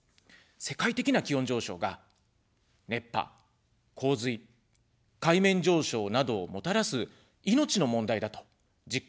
世界的な気温上昇が熱波、洪水、海面上昇などをもたらす命の問題だと実感をしました。